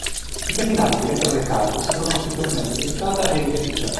I terminali che leggono le "card" si trovano sui tornelli di entrata e uscita.